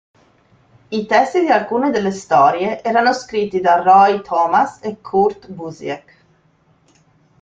I testi di alcune delle storie erano scritti da Roy Thomas e Kurt Busiek.